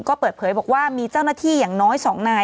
ก็เปิดเผยบอกว่ามีเจ้าหน้าที่อย่างน้อย๒นาย